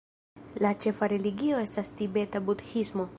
La ĉefa religio estas tibeta budhismo.